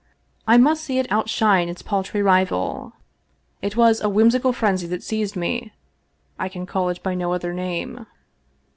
I must see it outshine its paltry rival. It was a whimsical frenzy that seized me — I can call it by no other name.